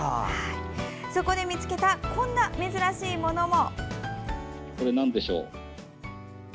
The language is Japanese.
そこで見つけたこんな珍しいものも。